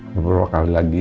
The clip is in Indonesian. dua puluh kali lagi